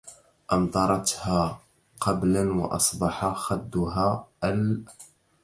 أمطرتها قبلا وأصبح خدها ال